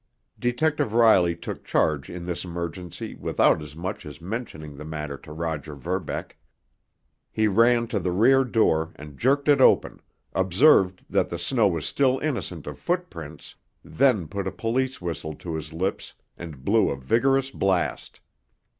Detective Riley took charge in this emergency without as much as mentioning the matter to Roger Verbeck. He ran to the rear door and jerked it open, observed that the snow was still innocent of footprints, then put a police whistle to his lips and blew a vigorous blast.